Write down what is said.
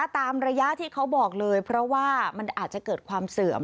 ตามระยะที่เขาบอกเลยเพราะว่ามันอาจจะเกิดความเสื่อม